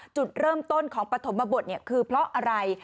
จุดเริ่มต้นของปฐมบทคือเพราะอะไร